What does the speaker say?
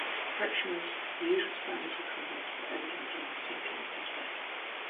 Kretschmer's usual standards of conduct were evident during the sinking of his boat.